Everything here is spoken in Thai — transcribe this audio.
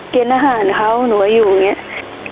กินอาหารเขาหนูก็อยู่อย่างนี้